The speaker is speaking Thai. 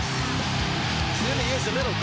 คีมขึ้นไปแล้วนะครับ